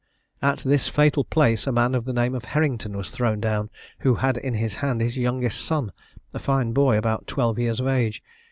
At this fatal place a man of the name of Herrington was thrown down, who had in his hand his youngest son, a fine boy, about twelve years of age.